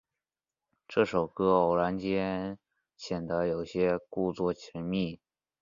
这首歌偶然间显得有些故作神秘。